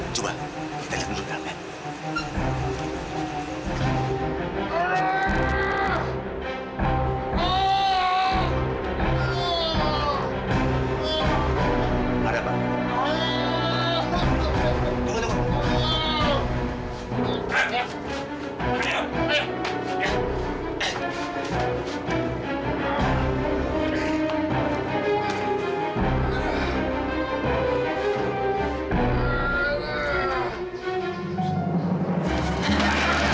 coba kita lihat dulu dalamnya